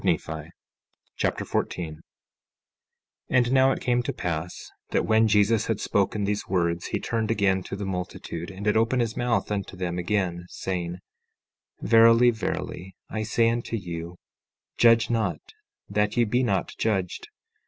3 Nephi Chapter 14 14:1 And now it came to pass that when Jesus had spoken these words he turned again to the multitude, and did open his mouth unto them again, saying: Verily, verily, I say unto you, Judge not, that ye be not judged.